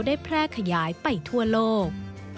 ได้แพร่ขยายไปทั่วโลก